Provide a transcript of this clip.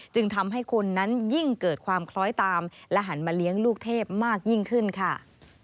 จึงทำให้คนนั้นยิ่งเกิดความคล้อยตามและหันมาเลี้ยงลูกเทพมากยิ่งขึ้นค่ะ